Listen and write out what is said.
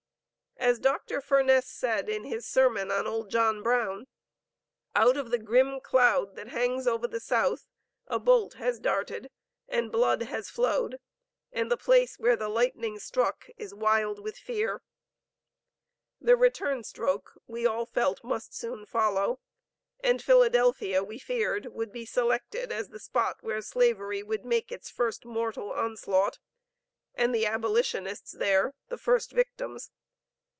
As Dr. Furness said in his sermon on old John Brown: "Out of the grim cloud that hangs over the South, a bolt has darted, and blood has flowed, and the place where the lightning struck, is wild with fear." The return stroke we all felt must soon follow, and Philadelphia, we feared, would be selected as the spot where Slavery would make its first mortal onslaught, and the abolitionists there, the first victims.